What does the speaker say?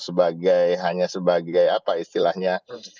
sebagai hanya sebagai apa istilahnya